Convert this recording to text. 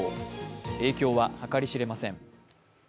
影響ははかりしれません。